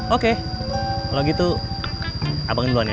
oke kalau gitu abangin duluan ya